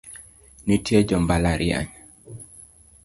Nitie jo mbalariany